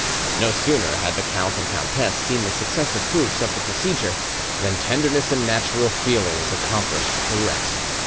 No sooner had the count and countess seen the successive proofs of the procedure, than tenderness and natural feelings accomplished the rest.